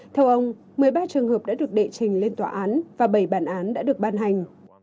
theo ông một mươi ba trường hợp đã được đệ trình lên tòa án và bảy bản án đã được ban hành